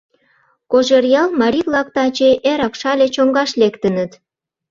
Кожеръял марий-влак таче эрак Шале чоҥгаш лектыныт.